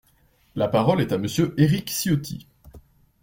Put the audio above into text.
La parole est à Monsieur Éric Ciotti.